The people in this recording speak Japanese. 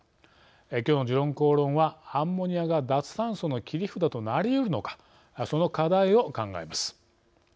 きょうの「時論公論」はアンモニアが脱炭素の切り札となりうるのかその課題を考えます。